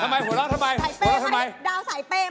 ทำไมหัวเราะทำไมทำไมทำไมอุ๊ยทำไมดาวสายเป้ไหม